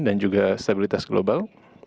dan juga stabilitas global